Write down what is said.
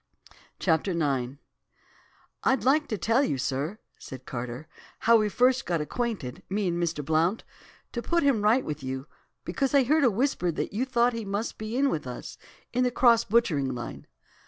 CHAPTER IX "'I'D like to tell you, sir,' said Carter, 'how we first got acquainted, me and Mr. Blount, to put him right with you, because I heard a whisper that you thought he must be in with us, in the "cross" butchering line.